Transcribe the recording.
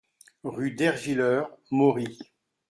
Rue d'Ervillers, Mory